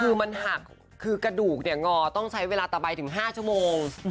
คือมันหักกระดูกงอต้องใช้เวลาต่อไปถึง๕ชั่วโมง